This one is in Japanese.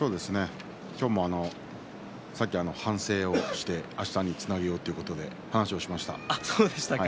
今日もさっき反省をしてあしたにつなげようという話をしました。